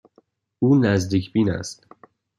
او نزدیک بین است.